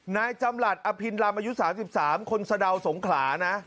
นายจำหลัดอภินรำอายุ๓๓คนสะดาวสงขลานะ